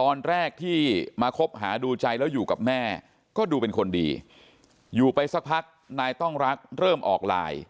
ตอนแรกที่มาคบหาดูใจแล้วอยู่กับแม่ก็ดูเป็นคนดีอยู่ไปสักพักนายต้องรักเริ่มออกไลน์